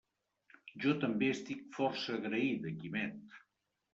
Jo també estic força agraïda, Quimet.